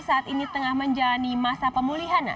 saat ini tengah menjalani masa pemulihan